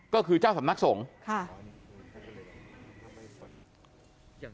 ก็คือเจ้าสำนักสงฆ์ค่ะ